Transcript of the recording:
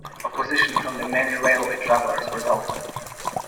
Opposition from the many railway travellers resulted.